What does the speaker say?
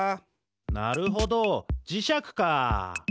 なるほどじしゃくかあ。